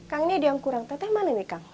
kang ini ada yang kurang teteh mana nih kang